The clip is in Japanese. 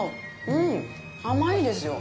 うん、甘いですよ。